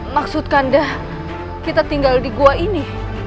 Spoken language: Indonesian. maksud kanda kita tinggal di gua ini